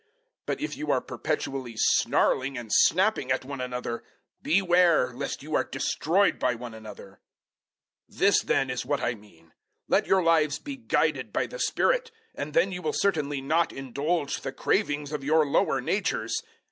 005:015 But if you are perpetually snarling and snapping at one another, beware lest you are destroyed by one another. 005:016 This then is what I mean. Let your lives be guided by the Spirit, and then you will certainly not indulge the cravings of your lower natures.